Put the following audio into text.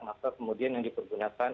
maka kemudian yang dipergunakan